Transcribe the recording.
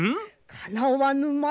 かなわぬまでも。